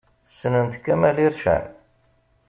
Ssnent Kamel Ircen?